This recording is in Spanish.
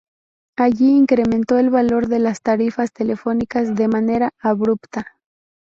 Allí incrementó el valor de las tarifas telefónicas de manera abrupta.